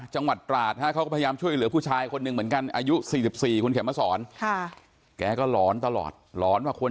จังหวัดตราดพยายามช่วยเหลือผู้ชายคนหนึ่งเหมือนกัน